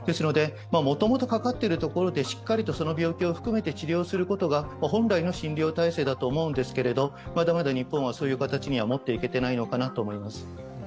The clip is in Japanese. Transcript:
もともとかかっているところで、しっかりとその病気を治療することが本来の診療体制だと思うんですけれども、まだまだ日本はそういう形には持っていけてないのかなと思います。